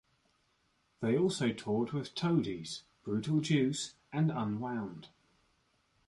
They also toured with Toadies, Brutal Juice, and Unwound.